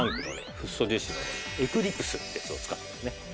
フッ素樹脂のエクリプスってやつを使ってね。